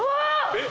えっ！